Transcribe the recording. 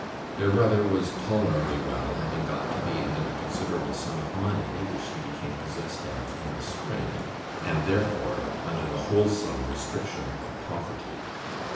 Their brother was tolerably well, having got to the end of a considerable sum of money which he became possessed of in the spring, and therefore under the wholesome restriction of poverty.